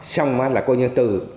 xong là coi như từ